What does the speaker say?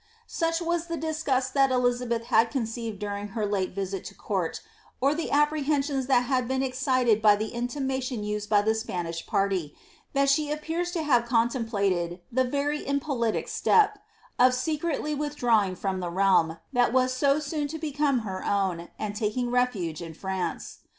Such was the disgust that Elizabeth had conceived during her late visit to court, or the apprehensions that had been excited by the intimi dation used by the Spanish party, that she appears to have contemplated, the very impolitic step, of secretly withdrawing from the realm, that WIS so soon to become her own, and taking refuge in France.